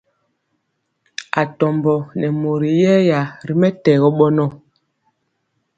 Atombo nɛ mori yɛya ri mɛtɛgɔ bɔnɔ.